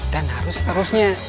dan harus seterusnya